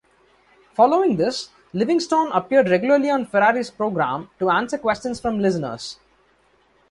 Following this, Livingstone appeared regularly on Ferrari's programme to answer questions from listeners.